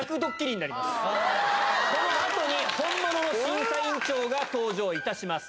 この後に本物の審査委員長が登場いたします。